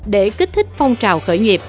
để kích thích phong trào khởi nghiệp